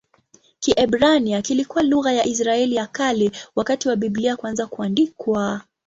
Kiebrania kilikuwa lugha ya Israeli ya Kale wakati wa Biblia kuanza kuandikwa.